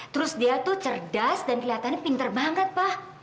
terus dia tuh cerdas dan kelihatannya pinter banget pak